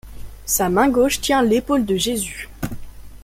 Sa main gauche tient l'épaule de Jésus.